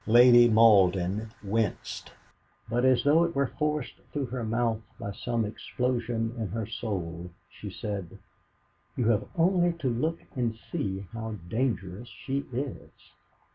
Lady Malden winced, but, as though it were forced through her mouth by some explosion in her soul, she said: "You have only to look and see how dangerous she is!"